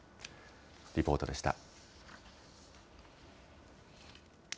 リポートでした。